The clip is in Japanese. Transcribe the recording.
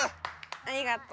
ありがとう。